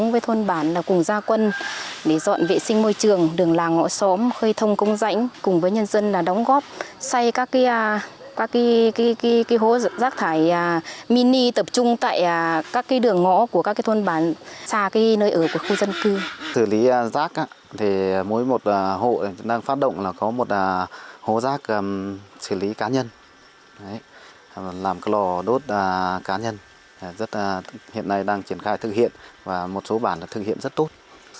phát động là có một hố rác xử lý cá nhân làm lò đốt cá nhân hiện nay đang triển khai thực hiện và một số bản thực hiện rất tốt